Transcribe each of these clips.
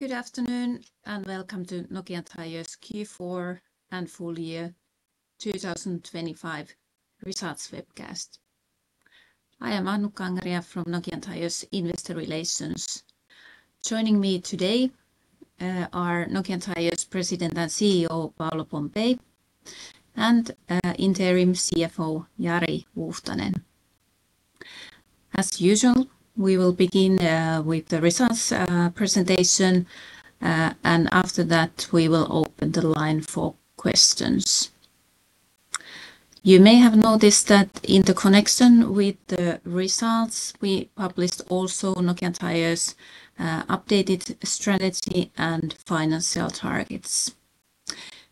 Good afternoon, and welcome to Nokian Tyres Q4 and full year 2025 results webcast. I am Annukka Angeria from Nokian Tyres Investor Relations. Joining me today are Nokian Tyres President and CEO, Paolo Pompei, and Interim CFO, Jari Huuhtanen. As usual, we will begin with the results presentation, and after that, we will open the line for questions. You may have noticed that in connection with the results, we published also Nokian Tyres' updated strategy and financial targets.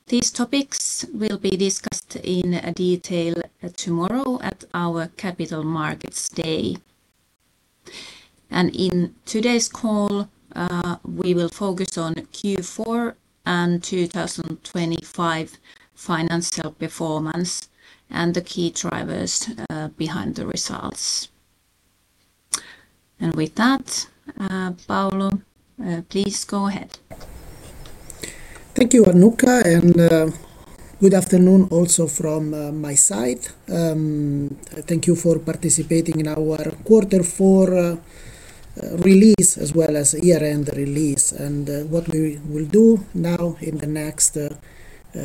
These topics will be discussed in detail tomorrow at our Capital Markets Day. In today's call, we will focus on Q4 and 2025 financial performance and the key drivers behind the results. With that, Paolo, please go ahead. Thank you, Annukka, and, good afternoon also from, my side. Thank you for participating in our quarter four, release, as well as year-end release, and, what we will do now in the next,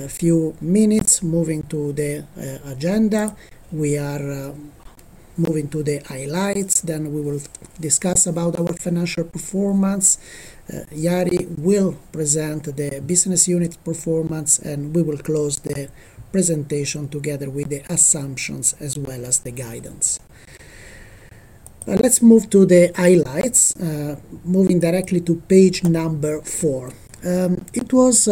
few minutes, moving to the, agenda. We are, moving to the highlights, then we will discuss about our financial performance. Jari will present the business unit performance, and we will close the presentation together with the assumptions as well as the guidance. Let's move to the highlights. Moving directly to page number four. It was,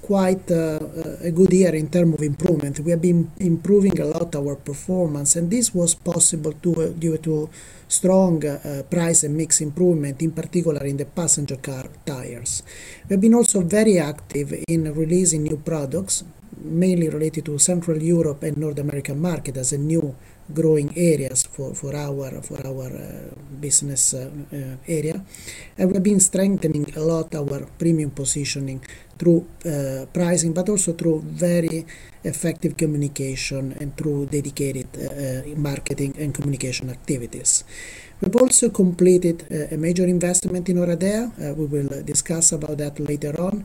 quite, a good year in terms of improvement. We have been improving a lot our performance, and this was possible due to strong, price and mix improvement, in particular in the passenger car tires. We've been also very active in releasing new products, mainly related to Central Europe and North American market as new growing areas for our business area. We've been strengthening a lot our premium positioning through pricing, but also through very effective communication and through dedicated marketing and communication activities. We've also completed a major investment in Oradea; we will discuss about that later on.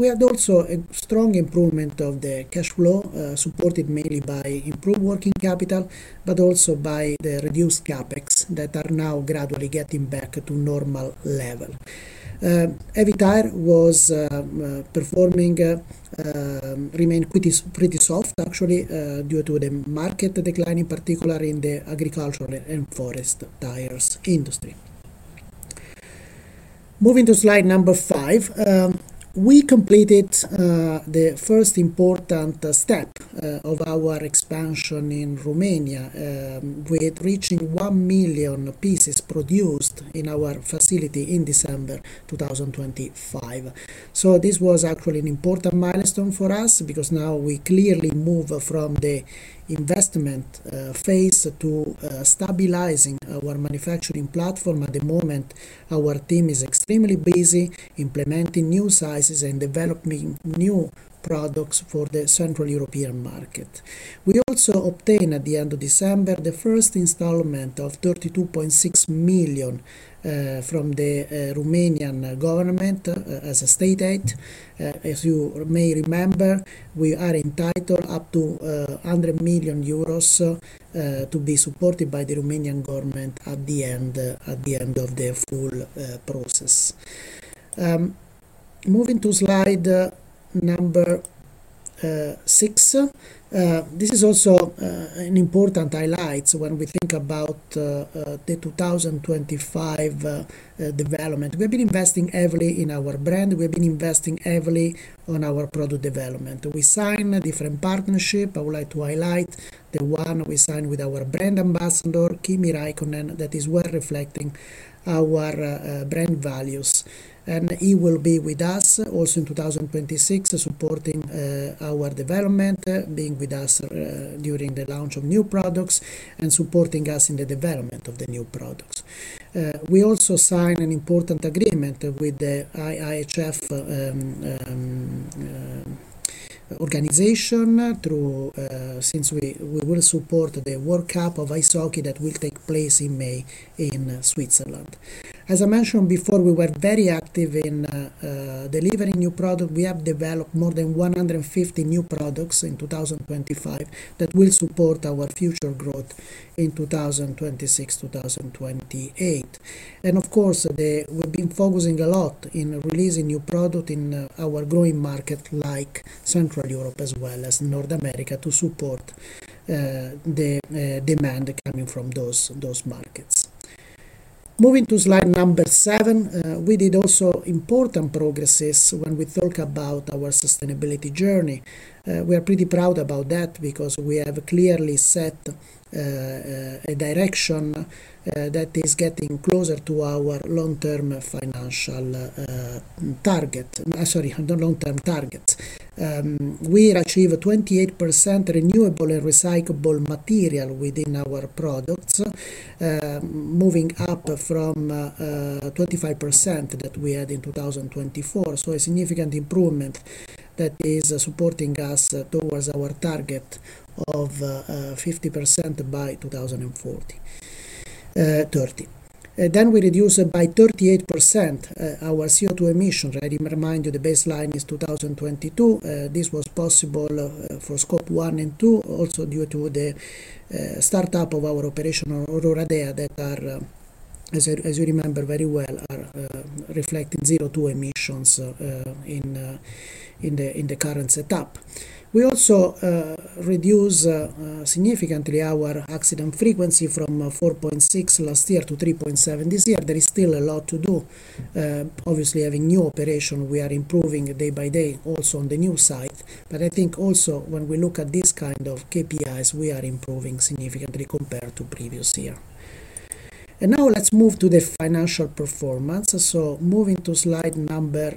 We had also a strong improvement of the cash flow, supported mainly by improved working capital, but also by the reduced CapEx that are now gradually getting back to normal level. Heavy Tyres was performing remained pretty soft, actually, due to the market decline, in particular in the agricultural and forestry tires industry. Moving to slide five, we completed the first important step of our expansion in Romania with reaching 1 million pieces produced in our facility in December 2025. So this was actually an important milestone for us because now we clearly move from the investment phase to stabilizing our manufacturing platform. At the moment, our team is extremely busy implementing new sizes and developing new products for the Central European market. We also obtained, at the end of December, the first installment of 32.6 million from the Romanian government as state aid. As you may remember, we are entitled up to EUR 100 million to be supported by the Romanian government at the end of the full process. Moving to slide six. This is also an important highlight when we think about the 2025 development. We've been investing heavily in our brand. We've been investing heavily on our product development. We sign a different partnership. I would like to highlight the one we signed with our brand ambassador, Kimi Räikkönen, that is well reflecting our brand values. And he will be with us also in 2026, supporting our development, being with us during the launch of new products and supporting us in the development of the new products. We also signed an important agreement with the IIHF organization through since we will support the World Cup of Ice Hockey that will take place in May in Switzerland. As I mentioned before, we were very active in delivering new product. We have developed more than 150 new products in 2025 that will support our future growth in 2026-2028. Of course, we've been focusing a lot in releasing new product in our growing market, like Central Europe as well as North America, to support the demand coming from those markets. Moving to slide number seven, we did also important progresses when we think about our sustainability journey. We are pretty proud about that because we have clearly set a direction that is getting closer to our long-term financial target. Sorry, the long-term targets. We achieve a 28% renewable and recyclable material within our products, moving up from 25% that we had in 2024. So a significant improvement that is supporting us towards our target of 50% by 2030. Then we reduced by 38% our CO2 emissions. Let me remind you, the baseline is 2022. This was possible for Scope 1 and 2, also due to the startup of our operation on Oradea, that are, as you remember very well, reflecting zero CO2 emissions in the current setup. We also reduce significantly our accident frequency from 4.6 last year to 3.7 this year. There is still a lot to do. Obviously, having new operation, we are improving day by day also on the new site. But I think also when we look at these kind of KPIs, we are improving significantly compared to previous year. And now let's move to the financial performance. So moving to slide number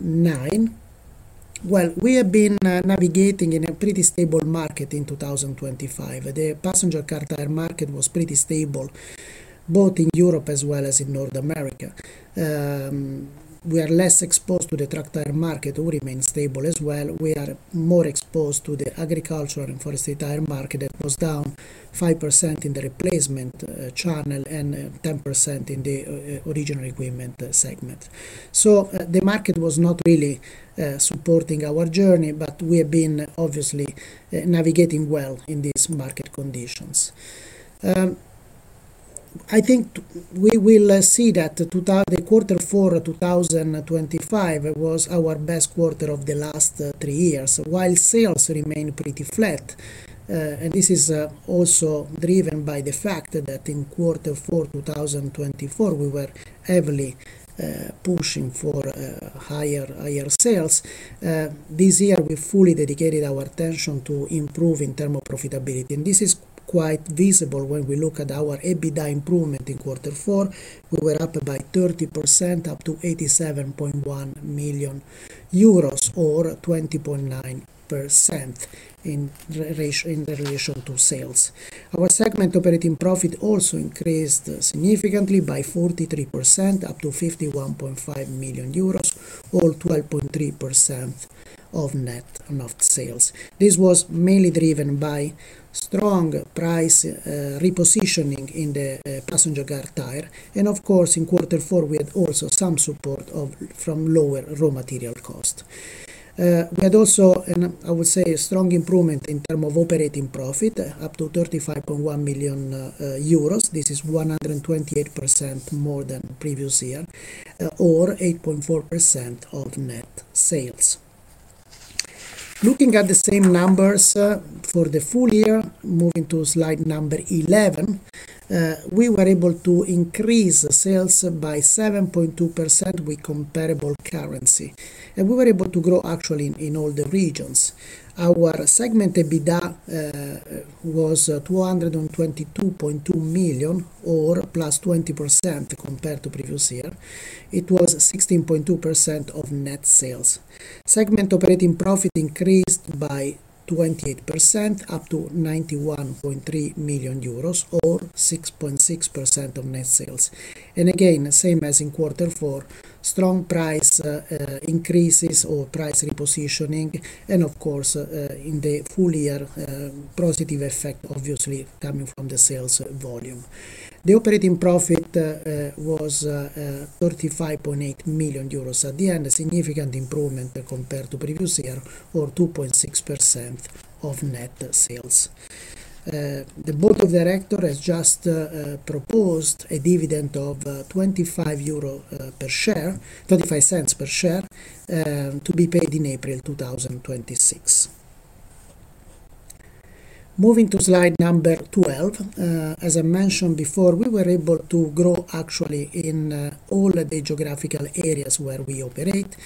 nine. Well, we have been navigating in a pretty stable market in 2025. The passenger car tire market was pretty stable, both in Europe as well as in North America. We are less exposed to the truck tire market, who remains stable as well. We are more exposed to the agricultural and forestry tire market. That was down 5% in the replacement channel and 10% in the original equipment segment. So the market was not really supporting our journey, but we have been obviously navigating well in these market conditions. I think we will see that the quarter four 2025 was our best quarter of the last three years, while sales remained pretty flat. And this is also driven by the fact that in quarter four 2024, we were heavily pushing for higher, higher sales. This year, we fully dedicated our attention to improving term of profitability, and this is quite visible when we look at our EBITDA improvement. In quarter four, we were up by 30%, up to 87.1 million euros, or 20.9% in relation to sales. Our segment operating profit also increased significantly by 43%, up to 51.5 million euros, or 12.3% of net sales. This was mainly driven by strong price repositioning in the passenger car tire. Of course, in quarter four, we had also some support from lower raw material cost. We had also, and I would say, a strong improvement in term of operating profit, up to 35.1 million euros. This is 128% more than previous year, or 8.4% of net sales. Looking at the same numbers for the full year, moving to slide number 11, we were able to increase sales by 7.2% with comparable currency, and we were able to grow actually in all the regions. Our segment EBITDA was 222.2 million, or +20% compared to previous year. It was 16.2% of net sales. Segment operating profit increased by 28%, up to 91.3 million euros, or 6.6% of net sales. And again, the same as in quarter four, strong price increases or price repositioning, and of course, in the full year, positive effect obviously coming from the sales volume. The operating profit was 35.8 million at the end, a significant improvement compared to previous year, or 2.6% of net sales. The Board of Directors has just proposed a dividend of 0.25 euro per share, 25 cents per share, to be paid in April 2026. Moving to slide number 12. As I mentioned before, we were able to grow actually in all of the geographical areas where we operate.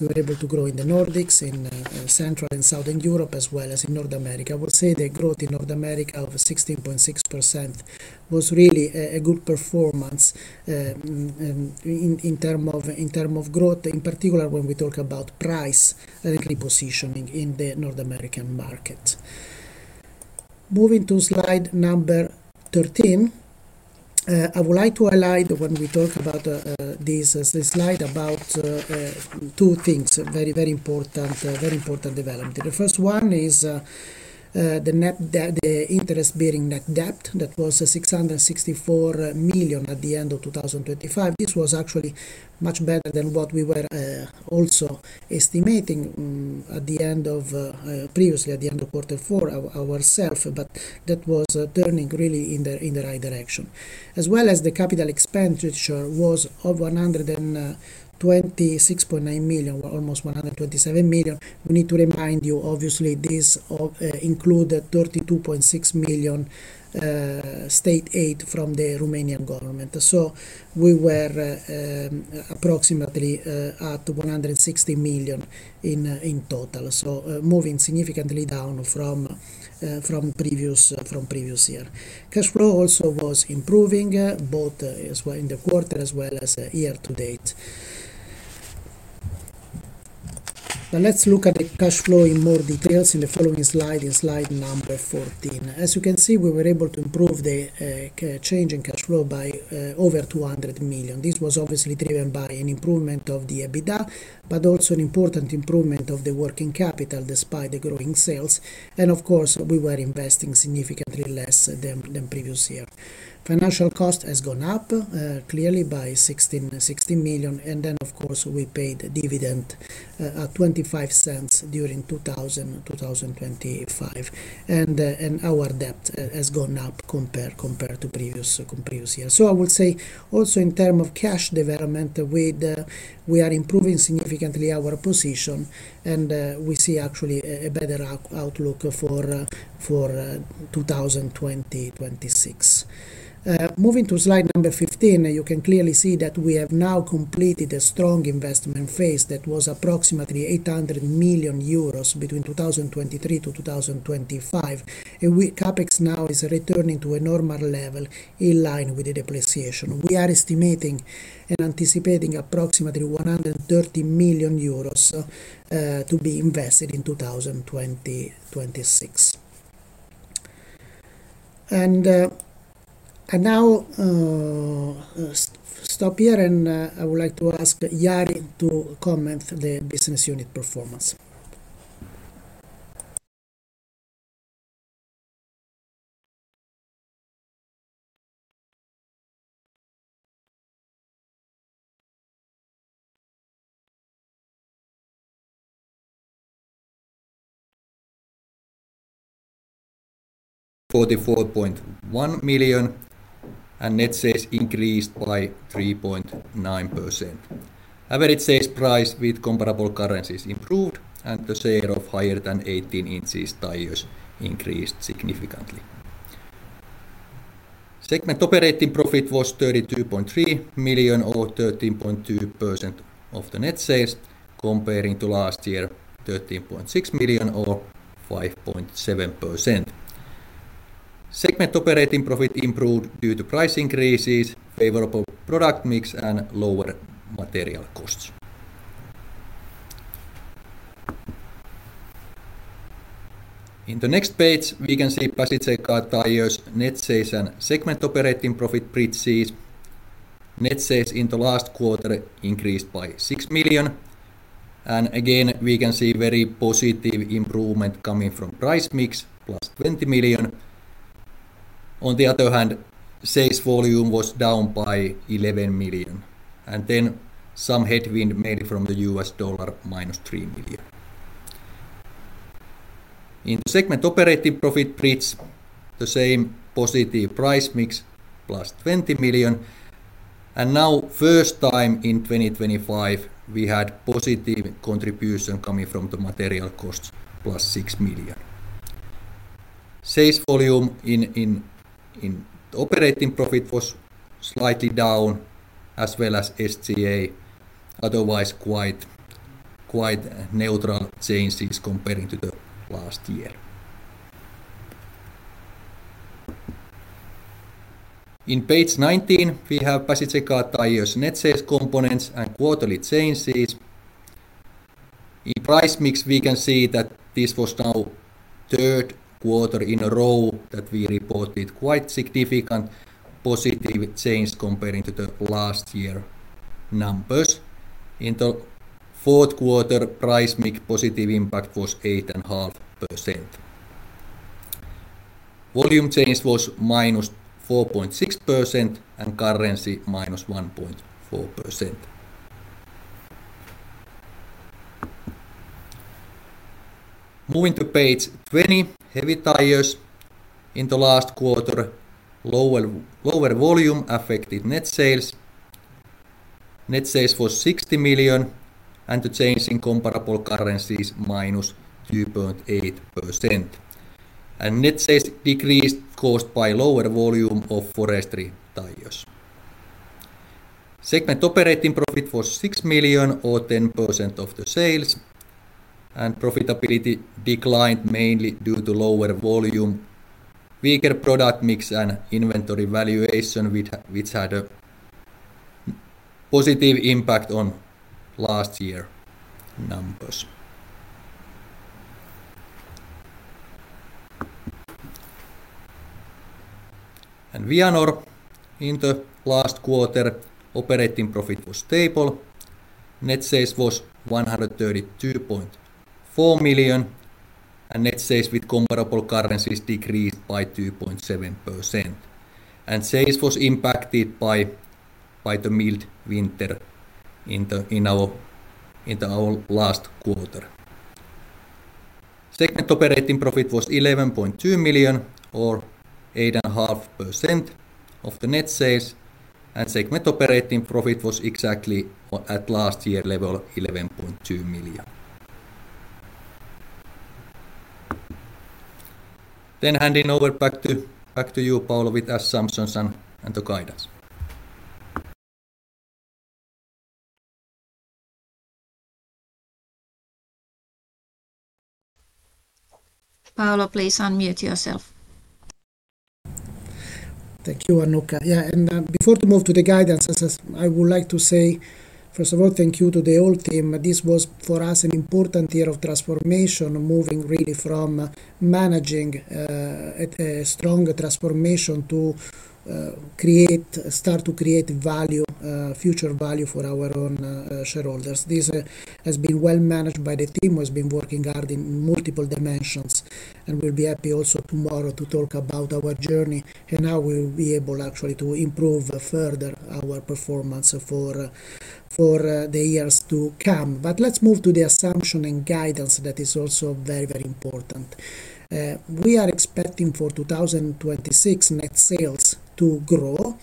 We were able to grow in the Nordics, in Central and Southern Europe, as well as in North America. I would say the growth in North America of 16.6% was really a good performance, in terms of growth, in particular, when we talk about price repositioning in the North American market. Moving to slide 13. I would like to highlight when we talk about this slide about two things, very important development. The first one is the net debt, the interest-bearing net debt. That was 664 million at the end of 2025. This was actually much better than what we were also estimating at the end of previously at the end of quarter four our ourselves, but that was turning really in the in the right direction. As well as the capital expenditure was of 126.9 million, almost 127 million. We need to remind you, obviously, this all include the 32.6 million state aid from the Romanian government. So we were approximately at 160 million in total. So moving significantly down from previous year. Cash flow also was improving both as well in the quarter as well as year to date. But let's look at the cash flow in more details in the following slide, in slide number 14. As you can see, we were able to improve the change in cash flow by over 200 million. This was obviously driven by an improvement of the EBITDA, but also an important improvement of the working capital despite the growing sales. Of course, we were investing significantly less than previous year. Financial cost has gone up clearly by 166 million, and then, of course, we paid a dividend at 0.25 during 2025. And our debt has gone up compared to previous year. So I would say also in term of cash development, we are improving significantly our position, and we see actually a better outlook for 2026. Moving to slide number 15, you can clearly see that we have now completed a strong investment phase that was approximately 800 million euros between 2023-2025. CapEx now is returning to a normal level in line with the depreciation. We are estimating and anticipating approximately 130 million euros to be invested in 2026. I now stop here, and I would like to ask Jari to comment the business unit performance. 44.1 million, and net sales increased by 3.9%. Average sales price with comparable currencies improved, and the sale of higher than 18-inch tires increased significantly. Segment operating profit was 32.3 million, or 13.2% of the net sales, comparing to last year, 13.6 million or 5.7%. Segment operating profit improved due to price increases, favorable product mix, and lower material costs. In the next page, we can see Passenger Car Tyres, net sales and segment operating profit bridges. Net sales in the last quarter increased by 6 million, and again, we can see very positive improvement coming from price mix, +20 million. On the other hand, sales volume was down by 11 million, and then some headwind mainly from the US dollar, -3 million. In segment operating profit bridge, the same positive price mix, plus 20 million. And now, first time in 2025, we had positive contribution coming from the material costs, plus EUR 6 million. Sales volume in operating profit was slightly down as well as SG&A. Otherwise, quite neutral changes comparing to the last year. In page 19, we have Passenger Car Tyres net sales components and quarterly changes. In price mix, we can see that this was now third quarter in a row that we reported quite significant positive change comparing to the last year numbers. In the fourth quarter, price mix positive impact was 8.5%. Volume change was -4.6% and currency -1.4%. Moving to page 20, Heavy Tyres. In the last quarter, lower volume affected net sales. Net sales was 60 million, and the change in comparable currencies, -2.8%. Net sales decreased, caused by lower volume of forestry tires. Segment operating profit was EUR 6 million or 10% of the sales, and profitability declined mainly due to lower volume, weaker product mix and inventory valuation, which had a positive impact on last year numbers. Vianor, in the last quarter, operating profit was stable. Net sales was 132.4 million, and net sales with comparable currencies decreased by 2.7%. Sales was impacted by the mild winter in our last quarter. Segment operating profit was 11.2 million or 8.5% of the net sales, and segment operating profit was exactly at last year level, 11.2 million. Then handing over back to you, Paolo, with assumptions and the guidance. Paolo, please unmute yourself. Thank you, Annukka. Yeah, and before to move to the guidance, as, as I would like to say, first of all, thank you to the whole team. This was, for us, an important year of transformation, moving really from managing a strong transformation to create, start to create value, future value for our own shareholders. This has been well managed by the team, who has been working hard in multiple dimensions, and we'll be happy also tomorrow to talk about our journey and how we will be able actually to improve further our performance for the years to come. But let's move to the assumption and guidance that is also very, very important. We are expecting for 2026 net sales to grow,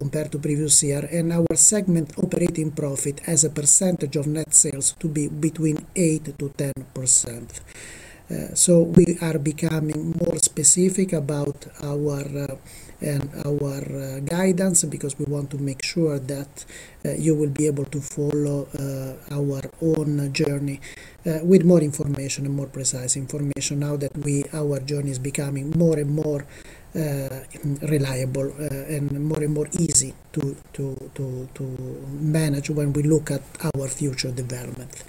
compared to previous year, and our segment operating profit as a percentage of net sales to be between 8%-10%. So we are becoming more specific about our guidance because we want to make sure that you will be able to follow our own journey with more information and more precise information now that our journey is becoming more and more reliable, and more and more easy to manage when we look at our future development.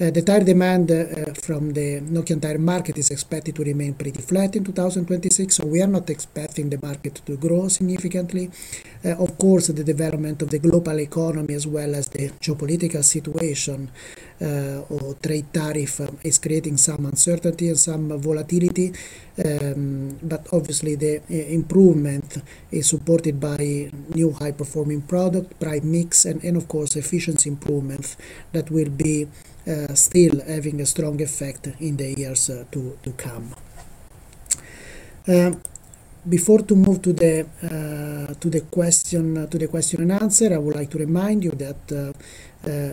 The tire demand from the Nokian Tyres market is expected to remain pretty flat in 2026, so we are not expecting the market to grow significantly. Of course, the development of the global economy, as well as the geopolitical situation, or trade tariff, is creating some uncertainty and some volatility. But obviously, the improvement is supported by new high-performing product, price mix, and of course, efficiency improvements that will be still having a strong effect in the years to come. Before to move to the question and answer, I would like to remind you that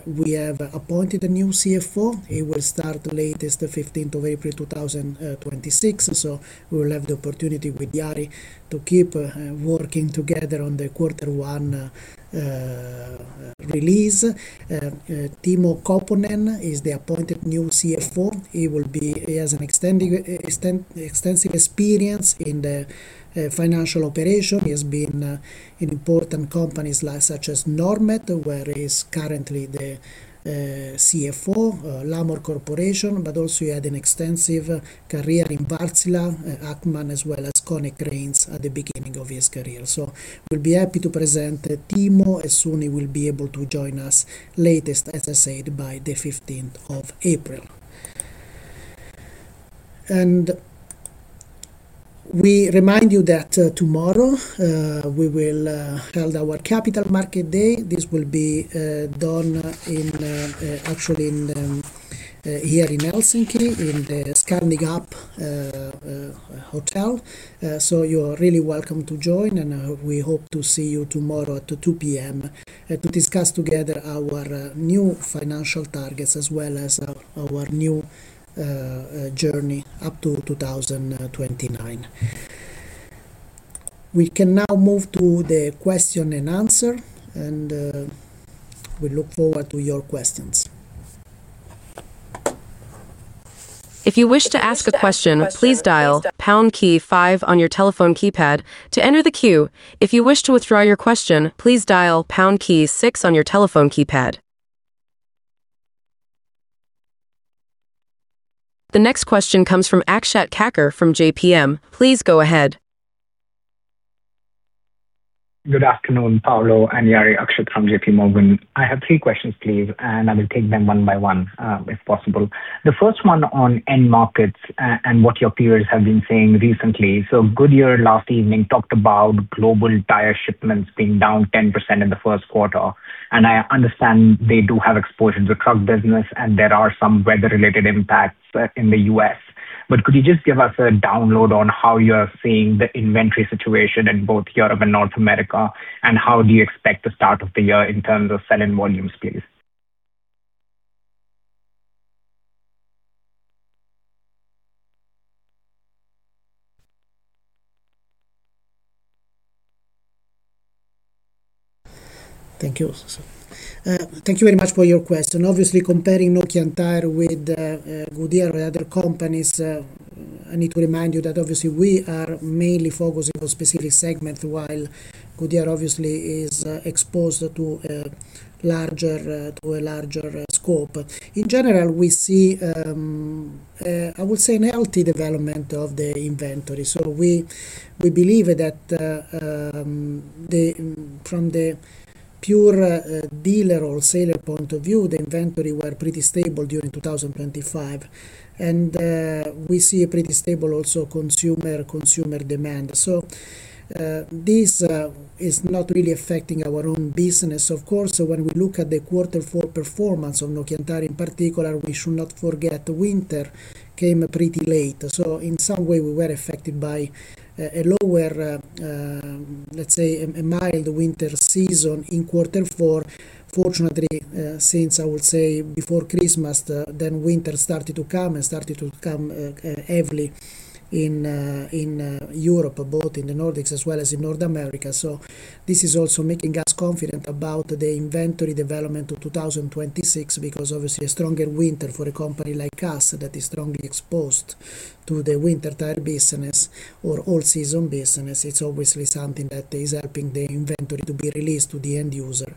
we have appointed a new CFO. He will start latest the fifteenth of April, 2026, so we will have the opportunity with Jari to keep working together on the quarter one release. Timo Koponen is the appointed new CFO. He has an extensive experience in the financial operation. He has been in important companies like such as Normet, where he is currently the CFO, Lamor Corporation, but also he had an extensive career in Wärtsilä, Ahlsell, as well as Konecranes at the beginning of his career. So we'll be happy to present Timo as soon he will be able to join us, latest, as I said, by the fifteenth of April. We remind you that tomorrow we will hold our Capital Markets Day. This will be done in actually here in Helsinki, in the Scandic Grand Central hotel. So you are really welcome to join, and we hope to see you tomorrow at 2:00 P.M. to discuss together our new financial targets, as well as our new journey up to 2029. We can now move to the question and answer, and we look forward to your questions. If you wish to ask a question, please dial pound key five on your telephone keypad to enter the queue. If you wish to withdraw your question, please dial pound key six on your telephone keypad. The next question comes from Akshat Kacker from JPMorgan. Please go ahead. Good afternoon, Paolo and Jari. Akshat from JPMorgan. I have three questions, please, and I will take them one by one, if possible. The first one on end markets and what your peers have been saying recently. So Goodyear last evening talked about global tire shipments being down 10% in the first quarter, and I understand they do have exposure to truck business, and there are some weather-related impacts in the U.S. But could you just give us a download on how you are seeing the inventory situation in both Europe and North America, and how do you expect the start of the year in terms of selling volumes, please? Thank you. Thank you very much for your question. Obviously, comparing Nokian Tyres with Goodyear and other companies, I need to remind you that obviously we are mainly focusing on specific segment, while Goodyear obviously is exposed to a larger scope. In general, we see I would say, a healthy development of the inventory. So we, we believe that from the pure dealer or seller point of view, the inventory were pretty stable during 2025, and we see a pretty stable also consumer, consumer demand. So this is not really affecting our own business. Of course, when we look at the quarter four performance of Nokian Tyres in particular, we should not forget winter came pretty late. So in some way, we were affected by a lower, let's say, a mild winter season in quarter four. Fortunately, since I would say before Christmas, then winter started to come and started to come heavily in Europe, both in the Nordics as well as in North America. So this is also making us confident about the inventory development of 2026, because obviously a stronger winter for a company like us that is strongly exposed to the winter tire business or all-season business, it's obviously something that is helping the inventory to be released to the end user.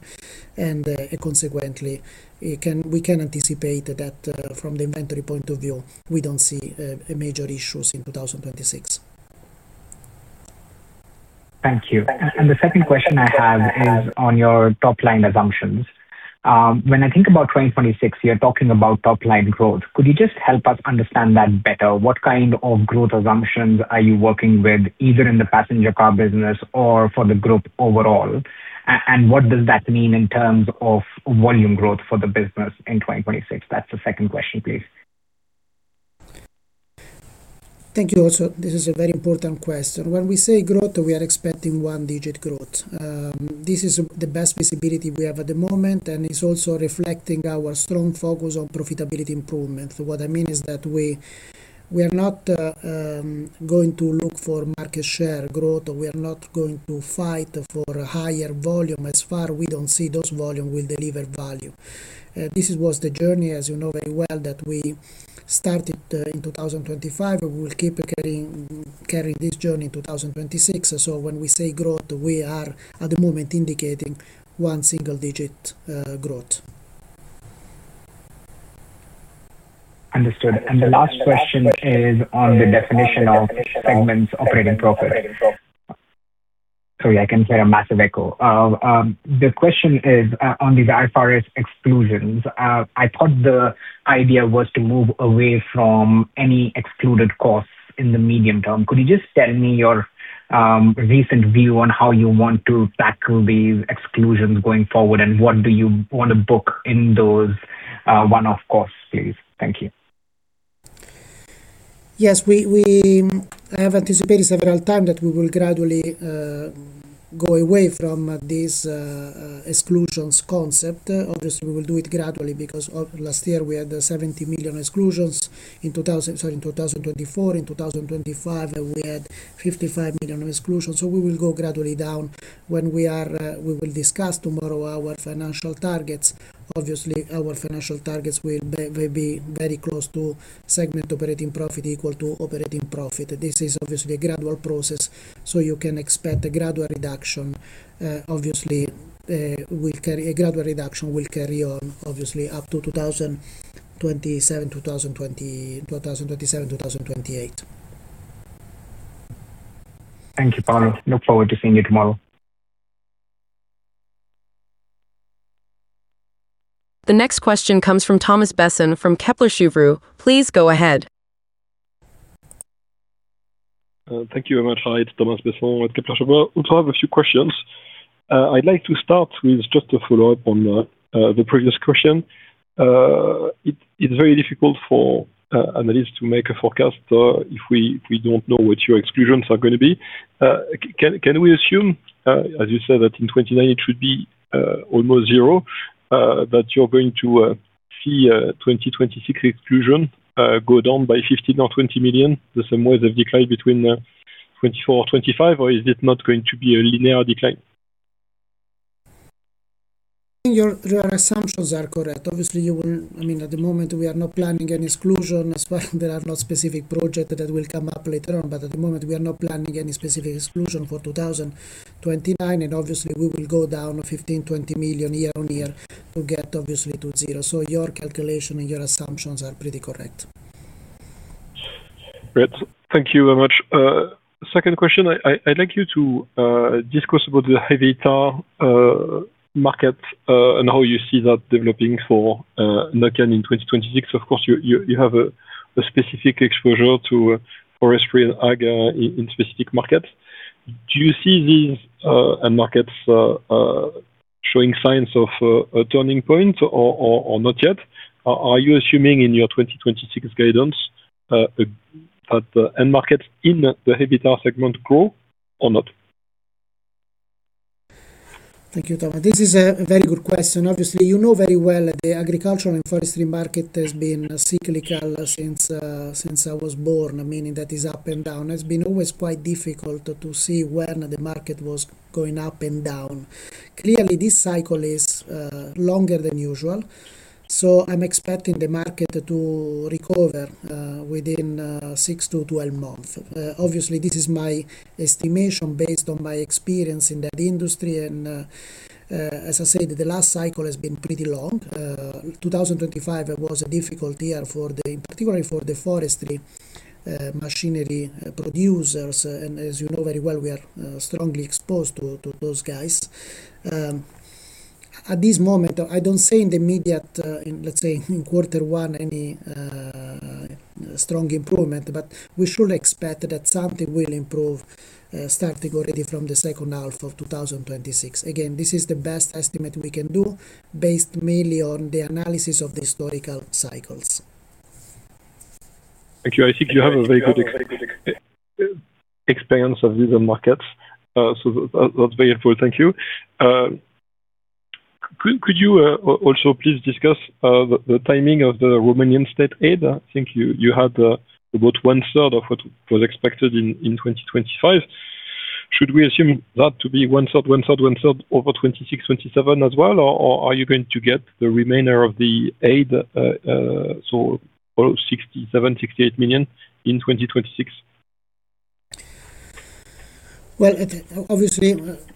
And, consequently, it can we can anticipate that, from the inventory point of view, we don't see major issues in 2026. Thank you. And the second question I have is on your top-line assumptions. When I think about 2026, you're talking about top-line growth. Could you just help us understand that better? What kind of growth assumptions are you working with, either in the passenger car business or for the group overall? And what does that mean in terms of volume growth for the business in 2026? That's the second question, please. Thank you. Also, this is a very important question. When we say growth, we are expecting one-digit growth. This is the best visibility we have at the moment, and it's also reflecting our strong focus on profitability improvement. What I mean is that we, we are not going to look for market share growth, we are not going to fight for a higher volume as far we don't see those volume will deliver value. This was the journey, as you know very well, that we started in 2025, and we will keep carrying, carrying this journey in 2026. So when we say growth, we are, at the moment, indicating one single digit growth. Understood. And the last question is on the definition of segment's operating profit. Sorry, I can hear a massive echo. The question is on the IFRS exclusions. I thought the idea was to move away from any excluded costs in the medium term. Could you just tell me your recent view on how you want to tackle these exclusions going forward, and what do you want to book in those one-off costs, please? Thank you. Yes, we have anticipated several times that we will gradually go away from this exclusions concept. Obviously, we will do it gradually because of last year, we had 70 million exclusions. Sorry, in 2024. In 2025, we had 55 million exclusions, so we will go gradually down. When we are, we will discuss tomorrow our financial targets. Obviously, our financial targets will be very close to segment operating profit, equal to operating profit. This is obviously a gradual process, so you can expect a gradual reduction. Obviously, a gradual reduction will carry on, obviously, up to 2027, 2028. Thank you, Paolo. Look forward to seeing you tomorrow. The next question comes from Thomas Besson from Kepler Cheuvreux. Please go ahead. Thank you very much. Hi, it's Thomas Besson with Kepler Cheuvreux. So I have a few questions. I'd like to start with just a follow-up on the previous question. It's very difficult for analysts to make a forecast if we don't know what your exclusions are going to be. Can we assume, as you said, that in 2029, it should be almost zero, that you're going to see a 2026 exclusion go down by 15 million or 20 million, the same way as the decline between 2024 or 2025, or is it not going to be a linear decline? Your assumptions are correct. Obviously, you will I mean, at the moment, we are not planning any exclusion, as well there are no specific project that will come up later on. But at the moment, we are not planning any specific exclusion for 2029, and obviously, we will go down 15 million-20 million year-on-year to get obviously to zero. So your calculation and your assumptions are pretty correct. Great. Thank you very much. Second question, I'd like you to discuss about the Heavy Tyres market, and how you see that developing for Nokian in 2026. Of course, you have a specific exposure to forestry and ag in specific markets. Do you see these end markets showing signs of a turning point or not yet? Are you assuming in your 2026 guidance that the end markets in the Heavy segment grow or not? Thank you, Thomas. This is a very good question. Obviously, you know very well that the agricultural and forestry market has been cyclical since, since I was born, meaning that is up and down. It's been always quite difficult to see when the market was going up and down. Clearly, this cycle is longer than usual, so I'm expecting the market to recover within 6-12 months. Obviously, this is my estimation based on my experience in that industry, and as I said, the last cycle has been pretty long. 2025 was a difficult year for the, particularly for the forestry machinery producers, and as you know very well, we are strongly exposed to those guys. At this moment, I don't say in the immediate, let's say, in quarter one, any strong improvement, but we should expect that something will improve, starting already from the second half of 2026. Again, this is the best estimate we can do, based mainly on the analysis of the historical cycles. Thank you. I think you have a very good experience of these markets, so that, that's very helpful. Thank you. Could you also please discuss the timing of the Romanian State aid? I think you had about one third of what was expected in 2025. Should we assume that to be one third, one third, one third over 2026, 2027 as well? Or are you going to get the remainder of the aid, so about 67-68 million in 2026? Well, it obviously,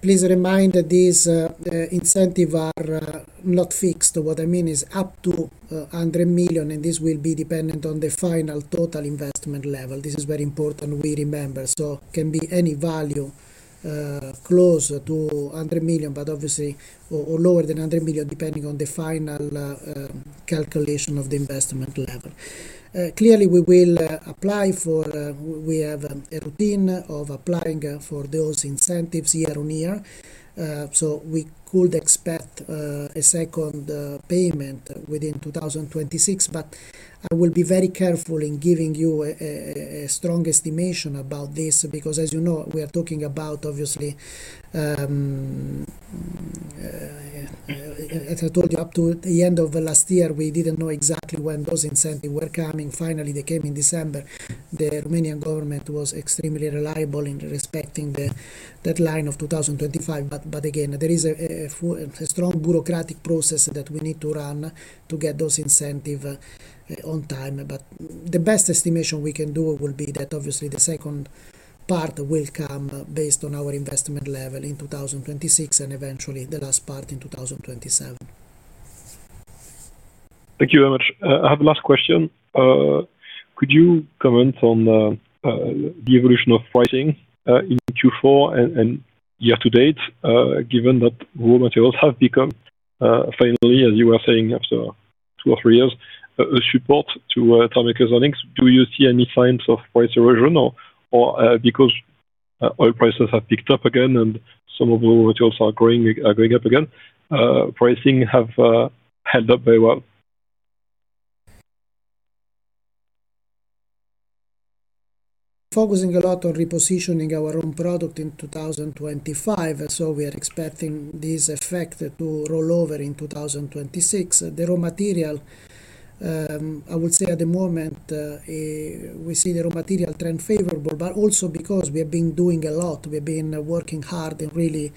please remind that these incentive are not fixed. What I mean is up to 100 million, and this will be dependent on the final total investment level. This is very important, we remember. So can be any value close to 100 million, but obviously or lower than 100 million, depending on the final calculation of the investment level. Clearly, we will apply for. We have a routine of applying for those incentives year on year. So we could expect a second payment within 2026. But I will be very careful in giving you a strong estimation about this, because as you know, we are talking about obviously, as I told you, up to the end of last year, we didn't know exactly when those incentives were coming. Finally, they came in December. The Romanian government was extremely reliable in respecting the deadline of 2025. But again, there is a full, a strong bureaucratic process that we need to run to get those incentives on time. But the best estimation we can do will be that obviously the second part will come based on our investment level in 2026, and eventually the last part in 2027. Thank you very much. I have last question. Could you comment on the evolution of pricing in Q4 and year to date? Given that raw materials have become finally, as you were saying, after two or three years, a support to tire manufacturers. Do you see any signs of price erosion or because oil prices have picked up again and some of the raw materials are growing, are going up again, pricing have held up very well? Focusing a lot on repositioning our own product in 2025, and so we are expecting this effect to roll over in 2026. The raw material, I would say at the moment, we see the raw material trend favorable, but also because we have been doing a lot. We've been working hard and really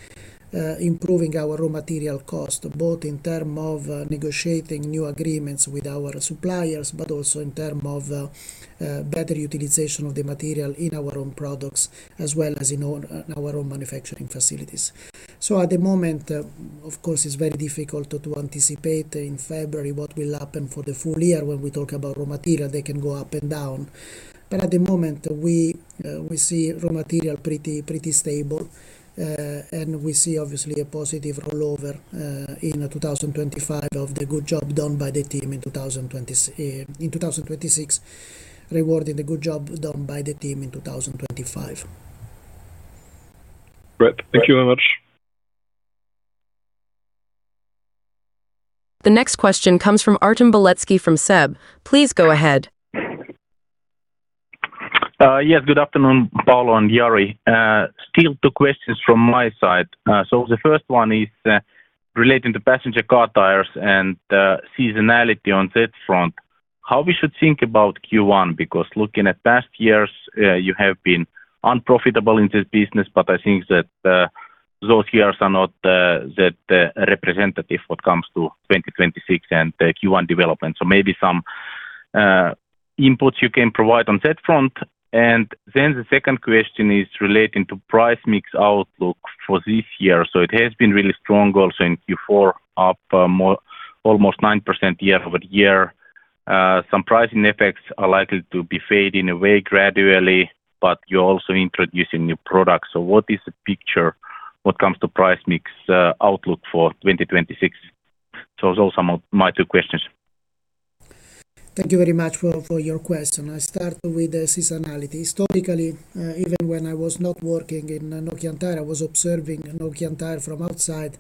improving our raw material cost, both in term of negotiating new agreements with our suppliers, but also in term of better utilization of the material in our own products, as well as in our own manufacturing facilities. So at the moment, of course, it's very difficult to anticipate in February what will happen for the full year when we talk about raw material, they can go up and down. But at the moment, we see raw material pretty, pretty stable, and we see obviously a positive rollover in 2025 of the good job done by the team in 2026, rewarding the good job done by the team in 2025. Great. Thank you very much. The next question comes from Artem Beletski from SEB. Please go ahead. Yes, good afternoon, Paolo and Jari. Still two questions from my side. So the first one is relating to passenger car tires and seasonality on that front. How should we think about Q1? Because looking at past years, you have been unprofitable in this business, but I think that those years are not that representative when it comes to 2026 and the Q1 development. So maybe some inputs you can provide on that front. And then the second question is relating to price mix outlook for this year. So it has been really strong also in Q4, up more, almost 9% year-over-year. Some pricing effects are likely to be fading away gradually, but you're also introducing new products. So what is the picture when it comes to price mix outlook for 2026? Those are some of my two questions. Thank you very much for, for your question. I'll start with the seasonality. Historically, even when I was not working in Nokian Tyres, I was observing Nokian Tyres from outside.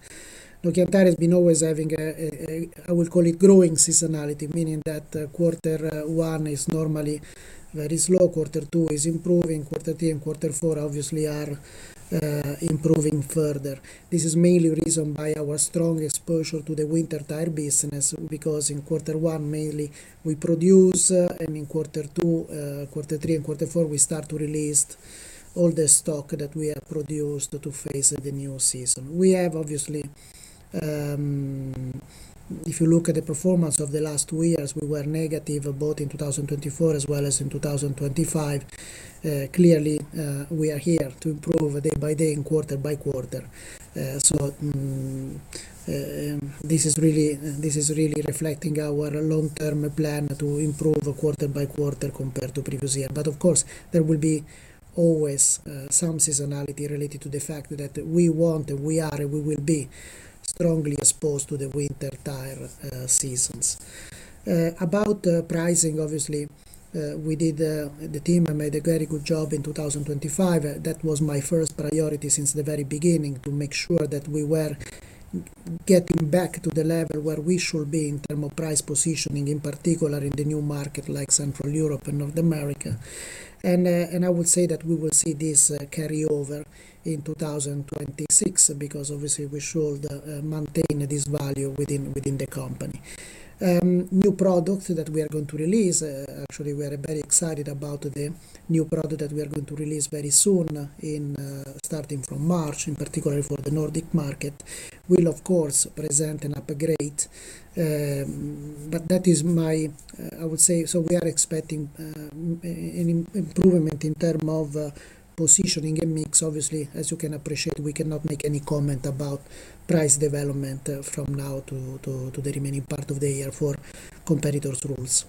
Nokian Tyres has been always having a I would call it growing seasonality, meaning that quarter one is normally very slow, quarter two is improving, quarter three and quarter four obviously are improving further. This is mainly reasoned by our strong exposure to the winter tire business, because in quarter one, mainly we produce and in quarter two, quarter three, and quarter four, we start to release all the stock that we have produced to face the new season. We have obviously if you look at the performance of the last two years, we were negative both in 2024 as well as in 2025. Clearly, we are here to improve day by day and quarter by quarter. This is really, this is really reflecting our long-term plan to improve quarter by quarter compared to previous year. But of course, there will be always some seasonality related to the fact that we want, we are, and we will be strongly exposed to the winter tire seasons. About the pricing, obviously, we did, the team made a very good job in 2025. That was my first priority since the very beginning, to make sure that we were getting back to the level where we should be in term of price positioning, in particular in the new market like Central Europe and North America. And I would say that we will see this carry over. In 2026, because obviously we should maintain this value within the company. New products that we are going to release, actually, we are very excited about the new product that we are going to release very soon, starting from March, in particular for the Nordic market, will of course present an upgrade. But that is my I would say, so we are expecting an improvement in terms of positioning and mix. Obviously, as you can appreciate, we cannot make any comment about price development from now to the remaining part of the year for competitors' rules.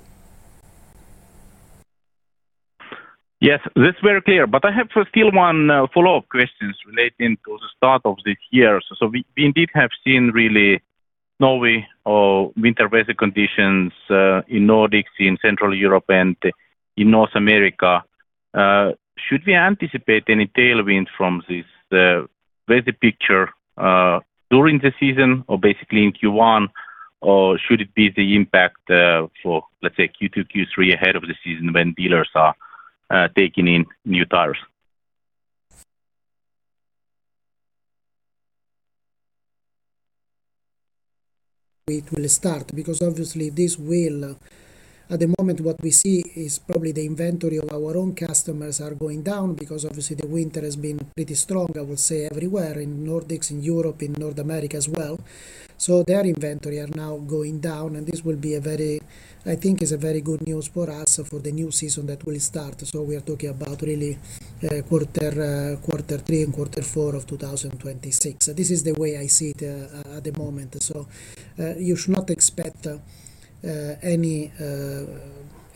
Yes, that's very clear, but I have for still one follow-up questions relating to the start of this year. So we indeed have seen really snowy or winter weather conditions in Nordics, in Central Europe, and in North America. Should we anticipate any tailwind from this weather picture during the season or basically in Q1, or should it be the impact for, let's say, Q2, Q3, ahead of the season when dealers are taking in new tires? It will start because obviously this will. At the moment, what we see is probably the inventory of our own customers are going down because obviously the winter has been pretty strong, I would say, everywhere, in Nordics, in Europe, in North America as well. So their inventory are now going down, and this will be a very, I think, is a very good news for us for the new season that will start. So we are talking about really, quarter, quarter three and quarter four of 2026. This is the way I see it, at the moment. So, you should not expect, any,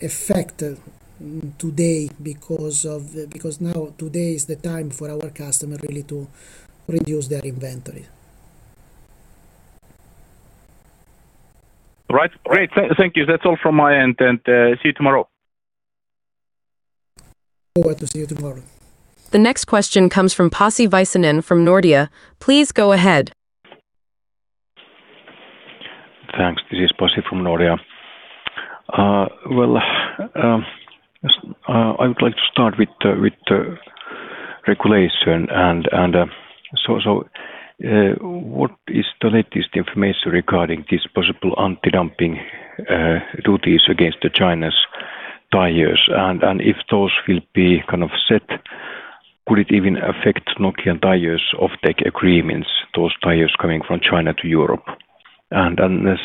effect today because of, because now, today is the time for our customer really to reduce their inventory. Right. Great. Thank you. That's all from my end, and see you tomorrow. Hope to see you tomorrow. The next question comes from Pasi Väisänen from Nordea. Please go ahead. Thanks. This is Pasi from Nordea. Well, I would like to start with the regulation and what is the latest information regarding this possible anti-dumping duties against the Chinese tires? And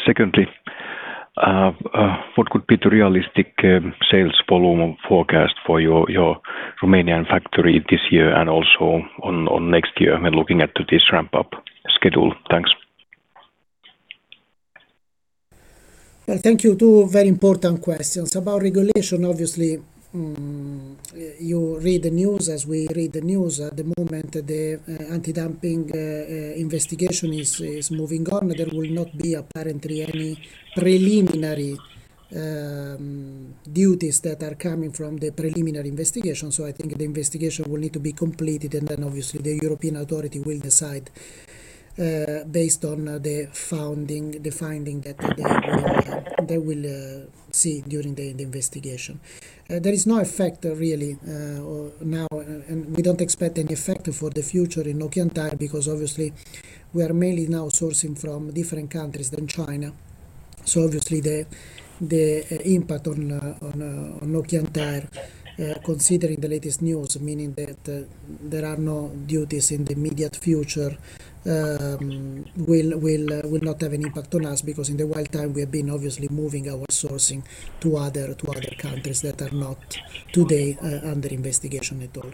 secondly, what could be the realistic sales volume forecast for your Romanian factory this year and also next year when looking at this ramp-up schedule? Thanks. Well, thank you. Two very important questions. About regulation, obviously, you read the news as we read the news. At the moment, the anti-dumping investigation is moving on. There will not be apparently any preliminary duties that are coming from the preliminary investigation. So I think the investigation will need to be completed, and then obviously the European Authority will decide based on the findings that they will see during the investigation. There is no effect really now, and we don't expect any effect for the future in Nokian Tyres, because obviously we are mainly now sourcing from different countries than China. So obviously, the impact on Nokian Tyres, considering the latest news, meaning that there are no duties in the immediate future, will not have an impact on us because in the meantime, we have been obviously moving our sourcing to other countries that are not today under investigation at all.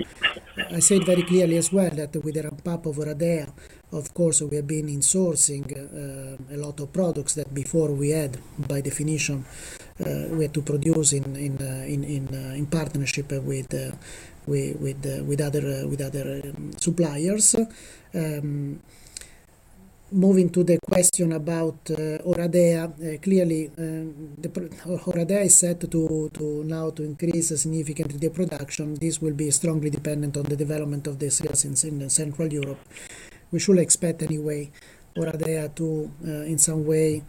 I said very clearly as well that with the ramp-up of Oradea, of course, we have been insourcing a lot of products that before we had, by definition, we had to produce in partnership with other suppliers. Moving to the question about Oradea, clearly, Oradea is set to now increase significantly the production. This will be strongly dependent on the development of the sales in Central Europe. We should expect anyway Oradea to in some way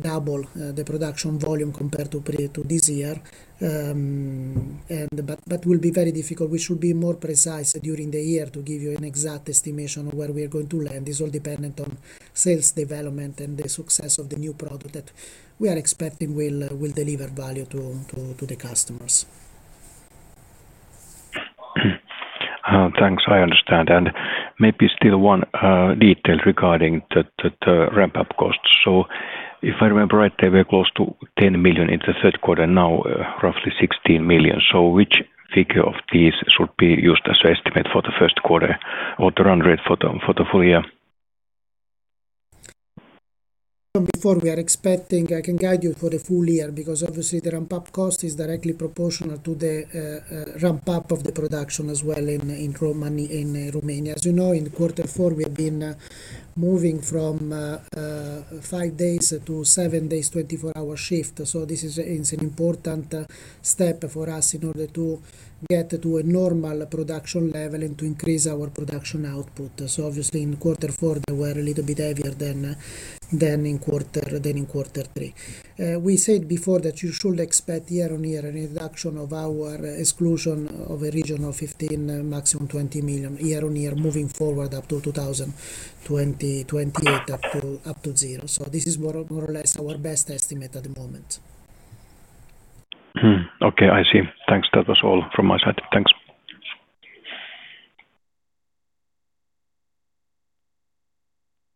double the production volume compared to this year. But will be very difficult. We should be more precise during the year to give you an exact estimation of where we are going to land. This all dependent on sales development and the success of the new product that we are expecting will deliver value to the customers. Thanks. I understand. Maybe still one detail regarding the ramp-up cost. So if I remember right, they were close to 10 million in the third quarter, now roughly 16 million. So which figure of these should be used as estimate for the first quarter or the run rate for the full year? Before we are expecting, I can guide you for the full year because obviously the ramp-up cost is directly proportional to the ramp-up of the production as well in Romania. As you know, in quarter four, we have been moving from five days to seven days, 24-hour shift. So this is, it's an important step for us in order to get to a normal production level and to increase our production output. So obviously, in quarter four, they were a little bit heavier than in quarter three. We said before that you should expect year-on-year a reduction of our exclusion of a region of 15 million, maximum 20 million, year-on-year, moving forward up to 2020-2028, up to zero. This is more, more or less our best estimate at the moment. Hmm. Okay, I see. Thanks. That was all from my side. Thanks.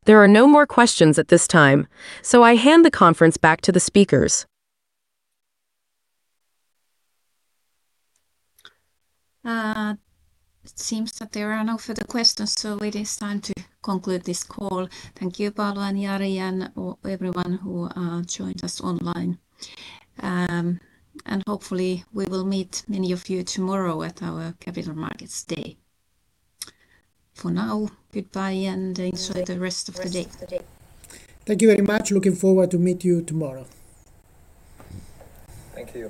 There are no more questions at this time, so I hand the conference back to the speakers. It seems that there are no further questions, so it is time to conclude this call. Thank you, Paolo and Jari and all, everyone who joined us online. Hopefully, we will meet many of you tomorrow at our Capital Markets Day. For now, goodbye, and enjoy the rest of the day. Thank you very much. Looking forward to meet you tomorrow. Thank you.